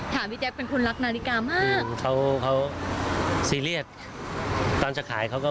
ขายนาฬิกาค่ะซู่เสียใจมากนะเรื่องขายนาฬิกา